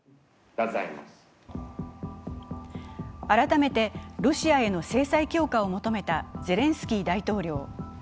改めてロシアへの制裁強化を求めたゼレンスキー大統領。